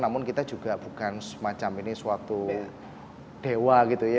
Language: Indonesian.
namun kita juga bukan semacam ini suatu dewa gitu ya